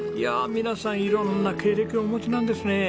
皆さん色んな経歴をお持ちなんですね。